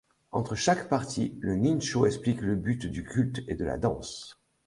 Entre chaque partie, le ninchō explique le but du culte et de la danse.